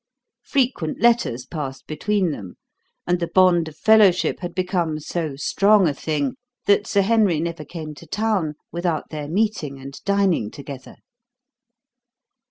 Frequent letters passed between them; and the bond of fellowship had become so strong a thing that Sir Henry never came to town without their meeting and dining together.